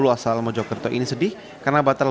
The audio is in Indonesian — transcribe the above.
asal mojokerto ini sedih karena batal